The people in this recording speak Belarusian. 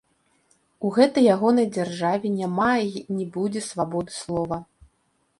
У гэтай ягонай дзяржаве няма й не будзе свабоды слова.